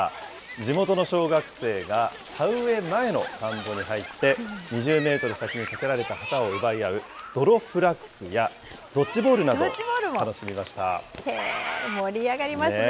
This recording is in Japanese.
地元の小学生が田植え前の田んぼに入って、２０メートル先に立てられた旗を奪い合うどろフラッグや、盛り上がりますね。